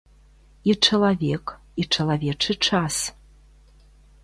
І чалавек, і чалавечы час.